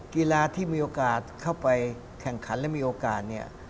กีฬาที่มีโอกาสเข้าไปแข่งขันและมีโอกาสเนี่ย